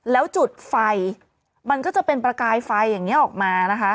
แล้วจุดไฟมันก็จะเป็นประกายไฟอย่างนี้ออกมานะคะ